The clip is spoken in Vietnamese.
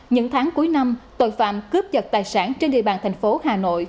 những tháng cuối năm tội phạm cướp giật tài sản trên địa bàn thành phố hà nội